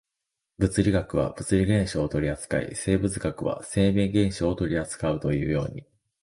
物理学は物理現象を取扱い、生物学は生命現象を取扱うというように、